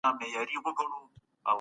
مشران د سولي په خبرو کي څه غواړي؟